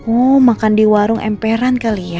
oh makan di warung emperan kali ya